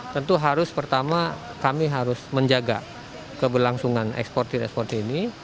tentu harus pertama kami harus menjaga keberlangsungan eksportir ekspor ini